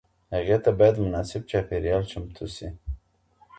هغې ته باید مناسب چاپیریال چمتو سي.